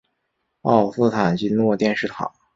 奥斯坦金诺电视塔。